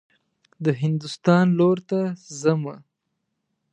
د هندوستان لور ته حمه.